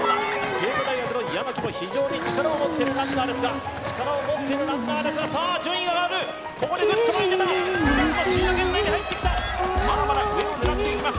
帝都大学の山木も非常に力を持ってるランナーですが力を持ってるランナーですがさあ順位が上がるここでグッと前に出た悲願のシード権内に入ってきたまだまだ上を狙っていきます